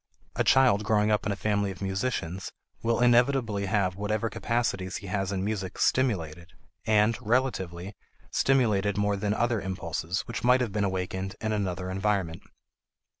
A child growing up in a family of musicians will inevitably have whatever capacities he has in music stimulated, and, relatively, stimulated more than other impulses which might have been awakened in another environment.